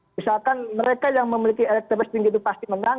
misalkan mereka yang memiliki elektabilitas tinggi itu pasti menang